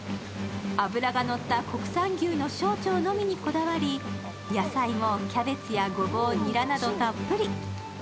脂がのった国産牛の小腸のみにこだわり、野菜もキャベツやごぼう、にらなどたっぷり。